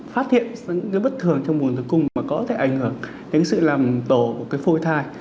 phát hiện những bất thường trong bùn tử cung mà có thể ảnh hưởng đến sự làm tổ của phôi thai